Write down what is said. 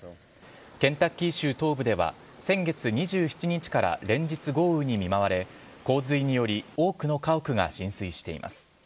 ケンタッキー州東部では、先月２７日から連日、豪雨に見舞われ、洪水により多くの家屋が浸水しています。